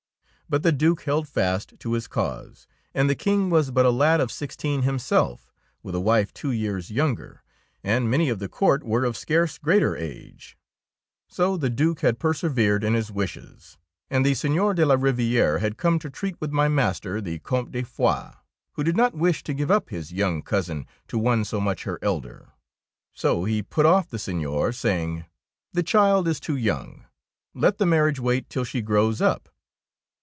But the Due held fast to his cause, and the King was but a lad of sixteen himself with a wife two years younger, and many of the court were of scarce greater age. So the Due had persevered in his wishes, and the Seigneur de la Riviere had come to treat with my master, the Comte de Foix, who did not wish to give up his young cousin to one so much her elder. So he put off the Seigneur, saying, —" The child is too young. Let the marriage wait till she grows up.